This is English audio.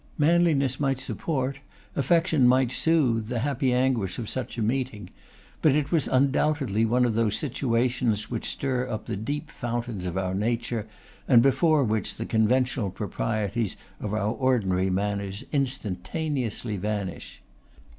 Manliness might support, affection might soothe, the happy anguish of such a meeting; but it was undoubtedly one of those situations which stir up the deep fountains of our nature, and before which the conventional proprieties of our ordinary manners instantaneously vanish.